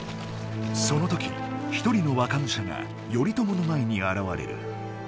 その時ひとりの若武者が頼朝の前に現れる。